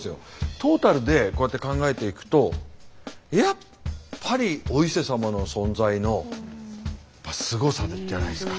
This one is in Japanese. トータルでこうやって考えていくとやっぱりお伊勢様の存在のすごさじゃないですか。